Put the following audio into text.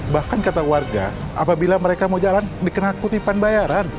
bahkan kata warga apabila mereka mau jalan dikena kutipan bayaran